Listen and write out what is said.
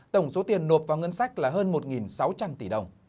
tổng số tiền nộp vào ngân sách là hơn một sáu trăm linh tỷ đồng